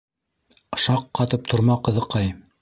Шаҡ ҡатып торма, ҡыҙыҡай!